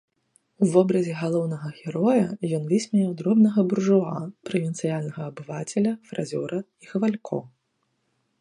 У вобразе галоўнага героя ён высмеяў дробнага буржуа, правінцыяльнага абывацеля, фразёра і хвалько.